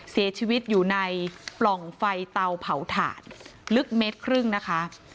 เสียชีวิตอยู่ในปล่องไฟเตาเผาถ่านลึกเมตรครึ่งนะคะ